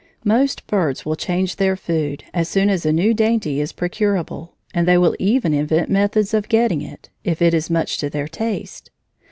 Most birds will change their food as soon as a new dainty is procurable, and they will even invent methods of getting it, if it is much to their taste.